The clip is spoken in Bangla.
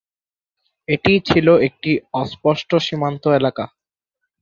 এটি ছিল একটি অস্পষ্ট সীমান্ত এলাকা।